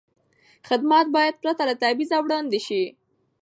خدمت باید پرته له تبعیض وړاندې شي.